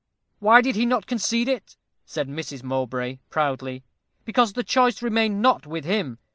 "Why did he not concede it?" said Mrs. Mowbray, proudly. "Because the choice remained not with him.